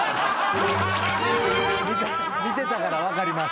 見てたから分かります。